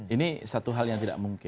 ini satu hal yang tidak mungkin